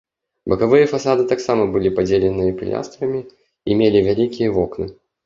Бакавыя фасады таксама былі падзеленыя пілястрамі і мелі вялікія вокны.